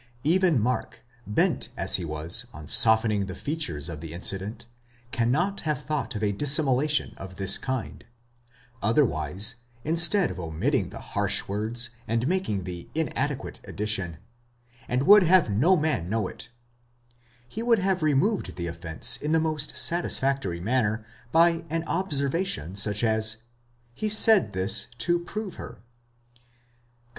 ® Even Mark, bent as he was on softening the features of the incident, cannot have thought of a dissimulation of this kind ; otherwise, instead of omitting the harsh words and making the inadequate addition, and would have no man know it, he would have removed the offence in the most satisfactory manner, by an observation such as, he said this to prove her (comp.